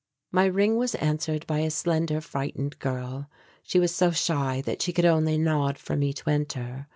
My ring was answered by a slender, frightened girl. She was so shy that she could only nod for me to enter.